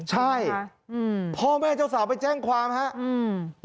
ใช่พ่อแม่เจ้าสาวไปแจ้งความครับ